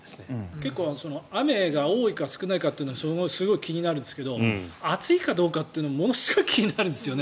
結構雨が多いか少ないかってすごい気になるんですが暑いかどうかっていうのもものすごい気になるんですよね